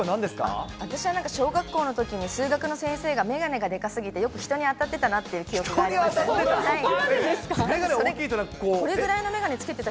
私は小学校のときに、数学の先生が眼鏡がでかすぎてよく人に当たってたなって記憶があ人に当たってた？